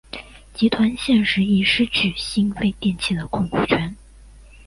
集团现时亦失去新飞电器的控股权。